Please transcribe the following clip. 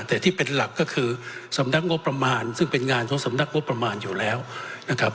แต่ที่เป็นหลักก็คือสำนักงบประมาณซึ่งเป็นงานของสำนักงบประมาณอยู่แล้วนะครับ